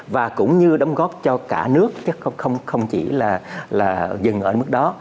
và cũng như đóng góp cho cả nước chắc không chỉ là dân ở mức đó